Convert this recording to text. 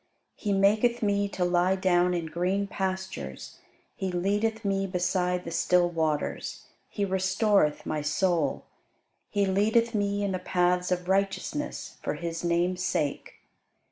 He maketh me to lie down in green pastures: He leadeth me beside the still waters. He restoreth my soul: He leadeth me in the paths of righteousness for his name's sake.